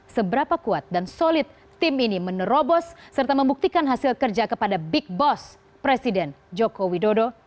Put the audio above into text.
seberapa kuat dan solid tim ini menerobos serta membuktikan hasil kerja kepada big boss presiden joko widodo